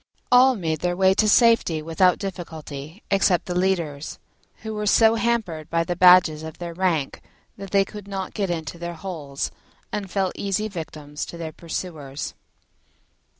All made their way to safety without difficulty except the leaders, who were so hampered by the badges of their rank that they could not get into their holes, and fell easy victims to their pursuers.